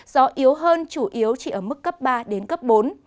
gió yếu hơn chủ yếu chỉ ở mức cấp ba đến cấp bốn